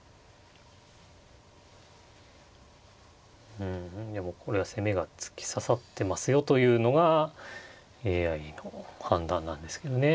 うんでもこれは攻めが突き刺さってますよというのがＡＩの判断なんですけどね。